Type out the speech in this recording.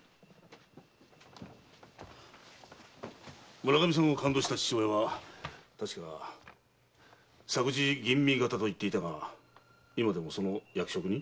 村上さんを勘当した父親はたしか作事吟味方と言ってたが今でもその役職に？